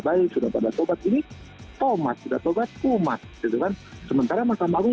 baik sudah pada tobat ini tomat sudah tobat umat gitu kan sementara mahkamah agung